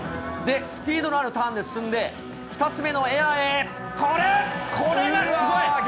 スピードのあるターンで進んで、２つ目のエアーへ、これ、これがすごい。